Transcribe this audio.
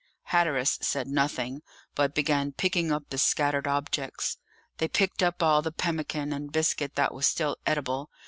Hatteras said nothing, but began picking up the scattered objects. They picked up all the pemmican and biscuit that was still eatable.